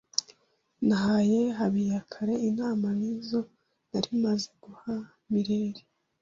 Nahaye Habiyakare inama nkizo nari maze guha Mirelle.